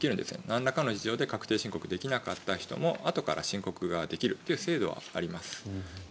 なんらかの事情で確定申告できなかった人もあとから申告できる制度はあります。